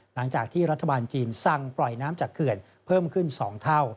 หลังจากที่รัฐบาลจีนสั่งปล่อยน้ำจากเขื่อนเพิ่มขึ้น๒เท่า